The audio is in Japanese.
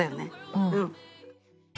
うん。